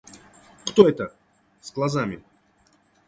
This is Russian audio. — Кто этот, с глазами?